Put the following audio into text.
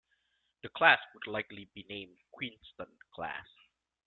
The class would likely be named "Queenston" class.